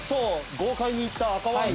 豪快にいった赤ワイン。